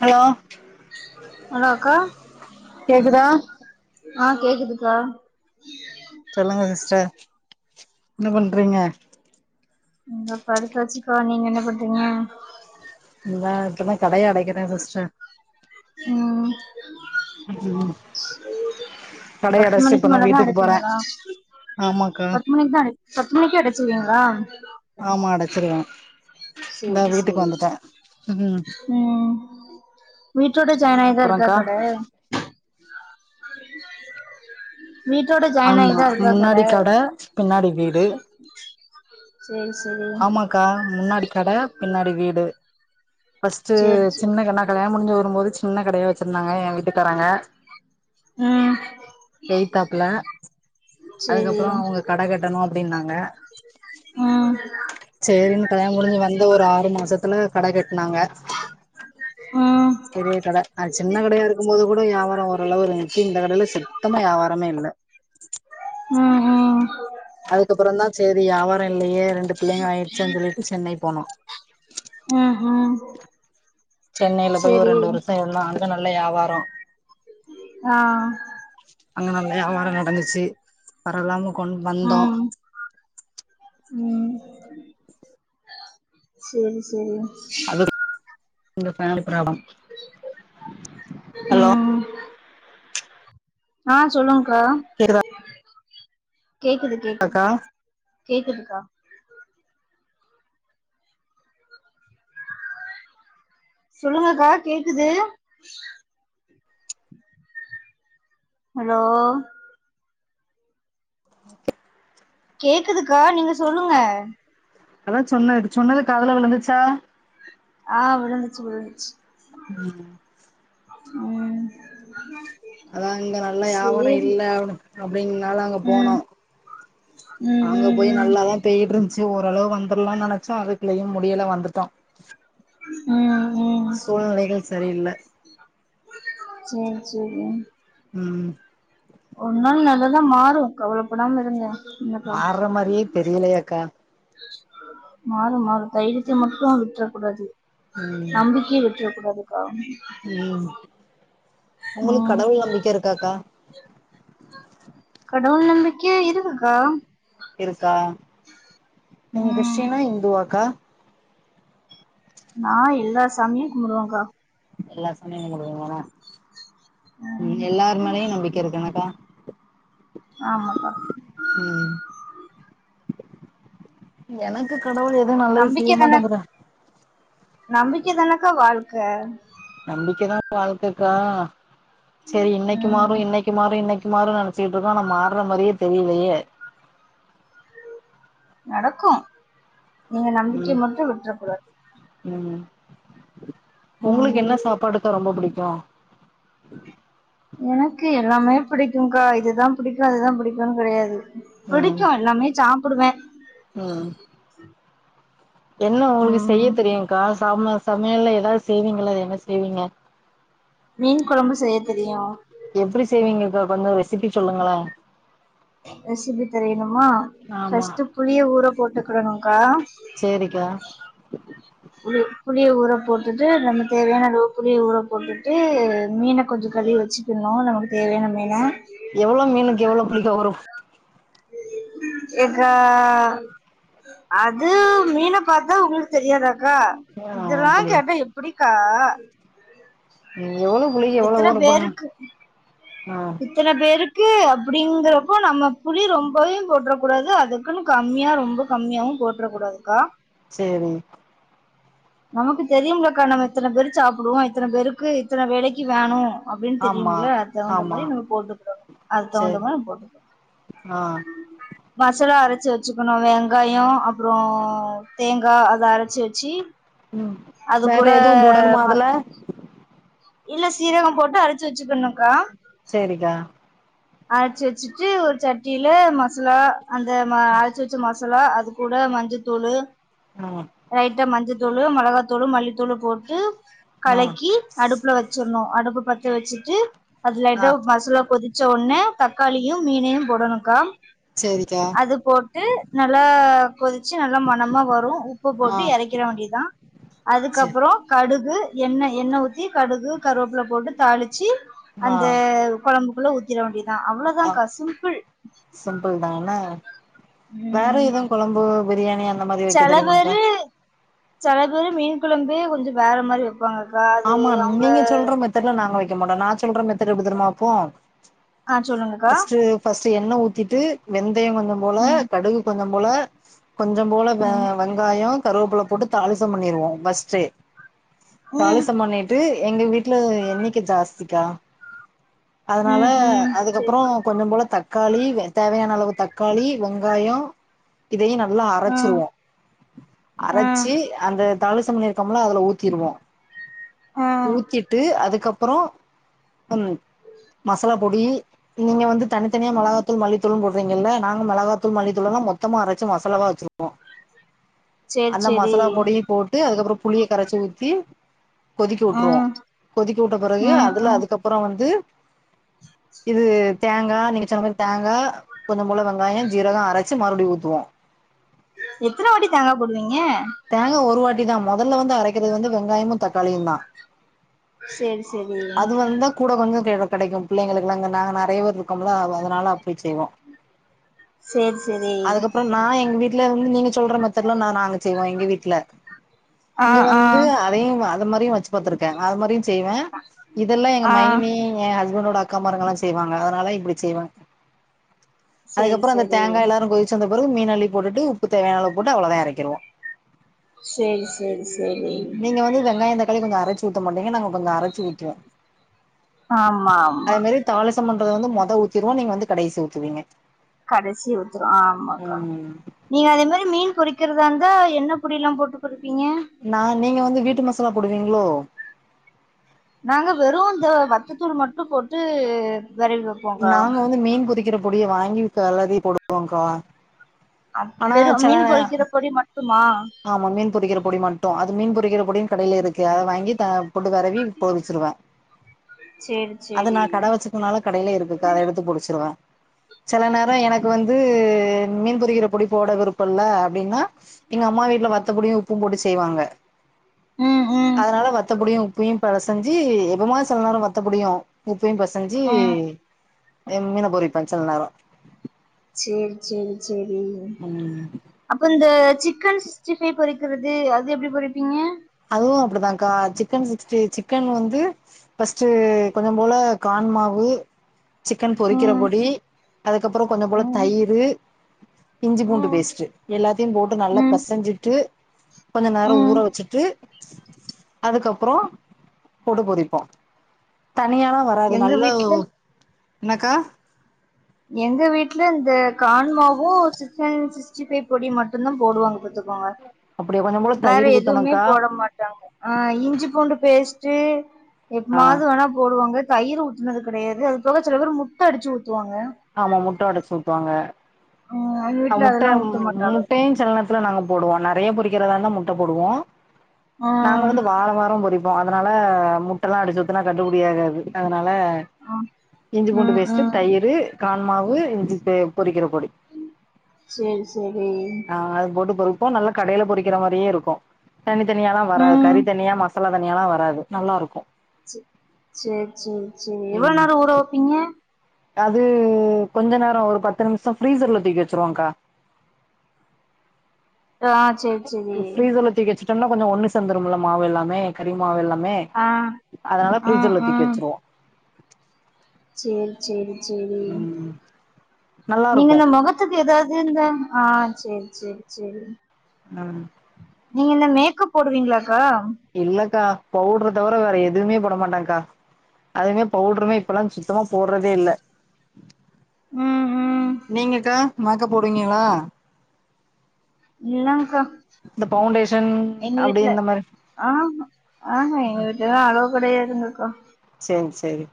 hello hello அக்கா கேக்குதா ஆ கேக்குதுக்கா சொல்லுங்க சிஸ்டர் என்ன பண்றீங்க இங்க படுத்தாச்சுக்கா நீங்க என்ன பண்றீங்க இந்தா இப்பதா கடையை அடைக்கிறே சிஸ்டர் ம் ம் கடைய பத்து அடச்சிட்டு மணிக்கு இப்பதா மேலதா வீட்டுக்கு போறே அடப்பீங்ளா ஆமாக்கா பத்து மணிக்கு தா அடை பத்து மணிக்கே அடைச்சிருவீங்களா ஆமா அடைச்சிருவோ இந்தா வீட்டுக்கு வந்துட்ட உம் உம் வீட்டோட ஜாயின் ஆயிதா இருக்கா அப்புறக்கா கடை வீட்டோட ஜாயின் ஆமா ஆயிதா இருக்கா கட முன்னாடி கடை பின்னாடி வீடு சேரி சேரி க்கா முன்னாடி கடை பின்னாடி வீடு ஃபர்ஸ்ட்டு சேரி சேரி சின்ன க கல்யாணோ முடிஞ்சு வரும்போது சின்ன கடையா வச்சிருந்தாங்க ஏ வீட்டுக்காரங்க ம் எய்தாப்புல சேரி அதுக்கப்றோ அவங்க கடை கட்டணு அப்டின்னாங்க ம் சேரின்னு கல்யாணம் முடிஞ்சு வந்த ஒரு ஆறு மாசத்துல கடை கட்னாங்க உம் பெரிய கடை அது சின்ன கடையா இருக்கும்போது கூட வியாபாரம் ஓரளவு இருந்துச்சு இந்த கடையில சுத்தமா வியாபாரமே இல்ல உம் அதுக்கப்றோ தா சேரி வியாபாரம் இல்லையே ரெண்டு பிள்ளைங்க ஆயிருச்சுசே சொல்லிட்டு சென்னை போனோ உம் ஹீம் சென்னையில போயி ஒரு ரெண்டு வருஷோ இருந்தோ அங்க நல்லா வியாபாரம் ஆ அங்க நல்லா வியாபாரோ நடந்துச்சு பரவால்லாம கொண் வந்தோ உம் சேரி சேரி அதுக் இந்த [unintelligible] ப்ராப்ளம் ஹலோ உம் ஆ சொல்லுங்க்கா கேக்குதா கேக்குது கேக்குது அக்கா கேக்குதுக்கா சொல்லுங்கக்கா கேக்குது ஹலோ கேக்குதுக்கா நீங்க சொல்லுங்க அத்தா சொன்ன சொன்னது காதுல விழுந்துச்சா ஆ விழுந்துச்சு விழுந்துச்சு அ உம் அத்தா இங்க நல்லா வியாபாரோ இல்ல அப்டிங்கனால அங்க போனோ ம் ம் அங்க போயி ம் நல்லாதா பேயிட் இருந்துச்சு ஓரளவு வந்துர்லாம்னு நெனச்சோ அதுக்குல்லயு முடியல வந்துட்டோ ம் ம் ம் சூழ்நிலைகள் சரியில்ல சேர் சேரிங்க உம் ஒருநாள் நல்லதா மாறு கவலப்படாம இருங்க என்னக்கா மார்ற மாரியே தெரியலயேக்கா மாறு மாறு தைரியத்த மட்டு விட்றக் கூடாது ம் நம்பிக்கைய விட்ர கூடாதுக்கா ம் உங்களுக்கு ம் கடவுள் நம்பிக்க இருக்காக்கா கடவுள் நம்பிக்கயு இருக்குக்கா இருக்கா நீங்க ம் கிறிஸ்டனா ஹிந்துவாக்கா நா எல்லா சாமியு கும்டுவேன்க்கா எல்லர் [unintelligible] வரு எல்லாரு மேலயு நம்பி க்கு இருக்கனக்கா ஆமக்கா ம் எனக்கு கடவுள் எ நம்பிக்கை தான நம்பிக்கை தானக்கா வாழ்க்க நம்பிக்க தா வாழ்க்கக்கா செரி இன்னெக்கு மாறு ம் இன்னெக்கு மாறு இன்னெக்கு மாறுனு நெனச் சிட்டுதா ஆனா மார்ற மாரியே தெரியலயே நடக்கு நீங்க நம்பிக்கய ம் மட்டு விட்றக்கூடாது ம் ஒங்களுக்கு என்ன ம் சாப்பாடுக்கா ரொம்ப புடிக்கு எனக்கு எல்லாமே பிடிக்கூகா இதுதா பிடிக்கு அதுதா பிடிக்கும்னு கெடையாது ம் பிடிக்கு எல்லாமே சாப்பிடுவே ம் என்ன ஒங்களுக்கு செய்ய ம் தெரியுங்கா சம சமயல்ல ஏதாது செய்வீங்கள்ள அது என்ன செய்வீங்க மீன் கொழம்பு செய்ய தெரியு எப்டி செய்வீங்கக்கா கொஞ்சோ ரெசிபி சொல்லுங்களே ரெசிபி தெரியணுமா ஆமா ஃபஸ்ட்டு புளிய ஊற போட்டுக்கெடணுக்கா சேரிக்கா புளி புளிய ஊற போட்டுட்டு நம்ம தேவயான அளவு புளிய ஊற போட்டுட்டு மீன கொஞ்சோ கழுவி வச்சிக்கிட்ணு நமக்கு தேவயான மீன எவ்ளோ மீனுக்கு எவ்ளோ புளிக்கா வரு எக்கா அது மீன பாத்தா ஒங்களுக்கு தெரியாதா க்கா ஆ இதெல்லா அப்டி கேட்டா எப்டிக்கா ம் எவ்ளோ புளி எவ்ளோ எத்தன ஊர போடனு பேருக்கு ஆ இத்தன பேருக்கு அப்டிங்கிறப்போ நம்ம புளி ரொம்பயு போட்றக்கூடாது அது க்குன்னு கம்மியா ரொம்ப கம்மியாவு போட்ற கூடாதுக்கா சேரி நமக்கு தெரியும்லக்கா நம்ம இத்தன பேரு சாப்டுவோ இத்தன பேருக்கு இத்தனை வேலைக்கு வேணு அப்டின்னு ஆமா தெரியும்ல அது தகுந்த ஆமா மாரி நம்ம போட்டுக்ணு அது தகுந்தா சேரி மாரி நம்ம போட்டுக்ணு ஆ மசாலா அரைச்சி வெச்சுக்கனோ வெங்காயோ அப்றோ தேங்கா அத அரச்சி வெச்சி ம் வேற எதுவு போடணுமா ம அதல இல்ல சீரகோ போட்டு அரச்சி வெச்சிக்கனுக்கா சேரிக்கா அரச்சி வெச்சிட்டு ஒரு சட்டியில மஸ்லா அந்த ம அர்ச்சி வெச்ச மசாலா அது கூட மஞ்ச தூளு அ லைட்டா மஞ்சத்தூளு மெளகாத்தூளு மல்லித்தூளு போட்டு ஆ கலக்கி அடுப்புல வச்சிர்ணு அடுப்பு பத்த வச்சிட்டு அது ஆ லைட்டா மாசாலா கொதிச் சொன்னா தக்காளியு மீனையு போடணுக்கா சேரிக்கா அது போட்டு நல்லா கொதிச்சி நல்லா மணமா வரு உப்பு ஆ போட்டு இறக் கிற வேண்டியதா சேரி அதுக்கப்றோ கடுகு எண்ணெ எண்ணெ ஊத்தி கடுகு கருவேப்ல போட்டு தாளிச்சி ஆ அந்த கொழம்புக்குள்ள ஊத்திற வேண்டியதா ஆ அவ்ளதாங்க்கா சிம்பிள் சிம்பிள் தா என்ன வேற உம் எதும் கொழம்பு பிரியாணி அந்த மாறி வெக்க தெரியுமாக்கா ச்செல பேரு மீன் கொழம்பே கொஞ்சோ வேற மாறி வெப் பாங்க க்கா ஆமா நீங்க சொல்ற மெத்தட்ல நாங்க வெக்க மாட்டோ நா சொல்ற மெத்தட் எப்டி தெரியுமா வெப்போ ஆ சொல்லுங்கக்கா ஃபர்ஸ்ட்டு எண்ணெ ஊத்திட்டு வெந்தயோ கொஞ்சோ போல ம் கடுகு கொஞ்சோ போல கொஞ்சோ போல ம் வெங்காயோ கருவேப்ள போட்டு தாளிச்சும் பண்ணிடுவோ ஃபர்ஸ்ட்டே ம் தாளிசம் பண்ணிட்டு எங்க வீட்ல எண்ணிக்க ஜாஸ்திக்கா அதனால ம் ம் சரி அதுக்கப்றோ கொஞ்சோ போல தக்காளி தேவையான அளவு தக்காளி வெங்காயோ இதையு நல்லா ஆ அரைச்சிருவோ ஆ அரச்சி அந்த தாளிசம் பண்ணியிருக்கமில்ல அதுல ஊத்திருவோ ஆ ஊத்திட்டு அதுக்கப்றோ உம் மசாலா பொடி நீங்க வந்து தனித்தனியா மெளகாத்தூள் மல்லித்தூளும் போட்றீங்கல்ல நாங்க மெளகாத்தூள் மல்லித்தூளெல்லா மொத்தமா அரச்சி மசாலா வா வச்சிருப்போ சரி அந்த சரி மசாலா பொடியுபோட்டு அதுக்கப்றோ புளிய கரச்சி ஊத்தி கொதிக்க ஆ வுட்ருவோ கொதிக்க உட்ட பெறகு ம் அதுல ம் அதுக்கப்றோ வந்து இது தேங்கா நீங்க சொன்ன மாறி தேங்கா கொஞ்சோ போல வெங்காயோ ஜீரகோ அரச்சு மறுபடியு ஊத்துவோ எத்தனை வாட்டி தேங்கா போடுவீங்க தேங்கா ஒரு வாட்டி தா மொதல்ல வந்து அரைக்கிறது வந்து வெங்காயமும் தக்காளியு தா சேரி சேரி அது வந்தா கூட கொஞ்சோ கெடைக்கு பிள்ளைங்களுக்கெல்லா அங்க நாங்க நிறைய பேர் இருக்கோம்ல்ல அதனால அப்டி செய்வோ சேர் சேரி அப்றோ நா எங்வீட்ல வந்து நீங்க சொல்ற மெத்தட்ல நா நாங்க செய்வோ எங்க வீட்ல ஆ இங்க ஆ வந்து அதையு அது மாறியு வச்சு பாத்திருக்கே அது மாறியு செய்வே இதெல்லா எங்க ஆ மைனி எ ஹஸ்பண்டோட அக் கா மார்கல்லா செய்வாங்க அதனால தா இப்படி செய்வாங்க்கா சேரி அதுக்கப்புறோ அந்த சேரி தேங்கா எல்லாரு கொதி ச்சி வந்த பிறகு மீன் அள்ளி போட்டுட்டு உப்பு தேவையான அளவு போட்டு அவ்ளதா எரக்கிருவோ சேரி சேரி சேரி நீங்க வந்து வெங்காயோ தக்காளி கொஞ்சோ அரச்சி ஊத்த மாட்டீங்க நாங்க கொஞ்சோ அரச்சி ஊத்துவோ ஆமா ஆமா அதே மாரி தாளிசம் பண்றது வந்து மொத ஊத்திருவோ நீங்க வந்து கடைசி ஊத்துவீங்க கடசி ஊத்ரோ ஆமாக்கா ம் நீங்க அதே மாறி மீன் பொரிக்கரதா இருந்தா என்ன பொடி எல்லா போட்டு பொரிப்பிங்க நா மீன் வந்து வீட்டு மசாலா போடுவீங்ளோ நாங்க வெறும் இந்த வத்ததூள் மட்டும் போட்டு வெரவி விடு நாங்க வந்து மீன் பொரிக்கிற பொடிய வாங்கி கிளறி போடுவோங்க்கா அம் ஆனா வெறும் மீன் செல பொரிக்கிற பொடி மட்டுமா ஆமா மீன் பொரிக்கிற பொடி மட்டும் அது மீன் பொரிக்கிற பொடின்னு கடையில இருக்கு அத வாங்கி த போட்டுகர அத நா மீன் பொறிச்சிருவே சேரி அத நா சேரி கடை வச்சு மூண் நாளா கடையிலே இருக்குகா அத எடுத்து புடிச்சிருவே சில நேர எனக்கு வந்து மீன் பொறிக்கிற பொடி போட விருப்பல்ல அப்டின்னா எங்க அம்மா வீட்ல வத்தபொடியு உப்பு போட்டு செய்வாங்க ம் ம் அதனால வத்தபொடியு உப்பையு பெசஞ்சு எப்பமா சில நேர வத்தபொடியு உப்பையு பசஞ்சு ம் என் மீன பொறிப்ப சில நேர சேரி சேரி சேரி ம் அப்ப இந்த சிக்கன் சிக்ஸ்டி பைவ் பொறிக்கிறது அது எப்டி பொறிப்பீங்க அதுவு அப்படிதான்க்கா சிக்கன் சிக்டி சிக்கன் வந்து பர்ஸ்ட்டு கொஞ்சம் போல கான் மாவு சிக்கன் பொறிக்கிற ம் பொடி அதுக்கப்பறோ கொஞ்சம் போல ம் தயிரு இஞ்சி பூண்டு ம் பேஸ்ட்டு எல்லாத்தையு போட்டு நல்லா ம் பசஞ்சிட்டு கொஞ்ச நேர ஊற ம் வச்சுட்டு அதுக்கப்பறோ போட்டு பொறிப்போ தனியாலா வ அதாது எங்க நல்ல வீட்ல என்னக்கா எங்க வீட்ல இந்த கான்மாவு சிக்கன் சிக்ஸ்டி பைவ் பொடி மட்டுந்தா போடுவாங்க பாத் வா அப்டியா கொஞ்சோ போல வேற தயிர் எதுவுமே ஊத்தணுக்கா போட மாட்டாங்க ஆ இஞ்சி பூண்டு பேஸ்ட்டு ஆ எப்மாது வேணா போடுவாங்க தயிறு ஊத்துனது கெடையாது அது போக சில பேர் முட்ட அடிச்சு ஊத்துவாங்க ஆமா முட்ட ஒடைச்சு ஊத்துவாங்க ம் எங்க அ வீட்ல முட்ட அதெல்லா ஊத்த மாட்டாங்க முட்டையு செல நேர நாங்க போடுவோ நெறைய பொறிக்கிறதா இருந்தா முட்ட போடுவோ ஆ நாங்க வந்து வாழ வார பொறிப் அதனால முட்டைெல்லா அடிச்சூத்துனா கட்டுபடியாகாது அதனால இஞ்சி பூண்டு ம் பேஸ்ட்டு ம் தயிரு காண்மாவு இஞ்சி பே பொறிக்கிற பொடி சேரி சரி ஆ அது போட்டு பொறிப்போ நல்லா கடையில பொறிக்கிற மாரியே இருக்கு தனி தனியால்லா வராது ம் கறி தனியா மசா லா தணியால்லா வராது நல்லாருக்கு ச சேரி சேரி சேரி எவ்வளோ ம் நேர ஊற வப்பீங்க அது கொஞ்ச நேர ஒரு பத்து நிமிஷ ப்ரீசர்ல தூக்கி வச்சிருவங்க்கா ஆ சேரி சேரி ஃப்ரீசர்ல தூக்கி வச்சிட்டோம்னா கொஞ்சோ ஒன்னு சேந்துரும்ல மாவு எல்லாமே கறி மாவு எல்லாமே ஆ அதனால ஆ ஃபிரீசர்ல ஆ தூக்கி வச்சருவோ சேரி சேரி சேரி ம் நல்லா நீங்க இருக்கு இந்த மொக கத்துக்கு எதாவது இந்த ஆ சேரி சேரி சேரி நம் நீங்க இந்த மேக்கப் போடுவீங்களாக்கா இல்லக்கா பவுட்ற தவிர வேற எதுவுமே போட மாட்டக்கா அதுமே பவுட்ருமே இப்பல்லா சுத்தமா போடுறதே இல்ல ம் ம் நீங்கக்கா மேக்கப் போடுவீங்கங்களா இல்லங்க்கா இந்த பவுண்டேஷன் அப்படி இந்த மாரி ஆஹா ஆஹா எங்க வீட்லலா அலோ கெடயாதுங்கக்கா சேங் சரி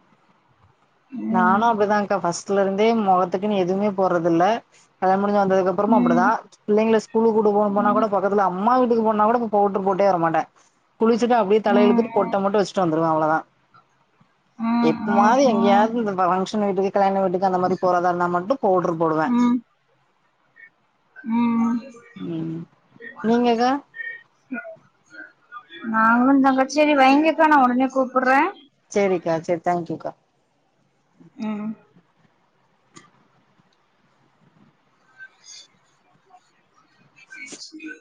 ம் நானு அப்படிதான்க்கா பர்ஸ்ட்ல இருந்தே மொகத்துக்குன்னு எதுவுமே போறதுல்ல கல்யாண முடிஞ்சு வந்ததுக்கப்பறமு அப்படிதா ம் பிள்ளைங்க ஸ்கூலுக்கு கூட்டு போனு போன ம் கூட பக்கத்தல அம்மா வீட்டுக்கு போனா கூட இப்ப பவுடர் போட்டே வர மாட்டே குளிச்சுட்டு அப்படியே தலைய ம் இழுத்துட்டு போட்ட ம் மட்டும் வச்சுட்டு வந்துருவ அவ்ளதா ம் எப்பவாது ம் எங்கயாவது இங்க பங்க்ஷன் வீட்டுக்கு கல்யாண வீட்டுக்கு அந்த மாறி போறதா இருந்தா மட்டும் பவுட்ரு போடுவே உம் ம் நீங்கக்கா நாங்களும் இந்தா சேரி வெயிங்கக்கா நா உடனே கூப்புட்றே சேரிக்கா சேரி தேங்க்யூக்கா உம் [unintelligible]